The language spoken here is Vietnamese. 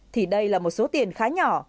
thì đây là một số tiền khá nhỏ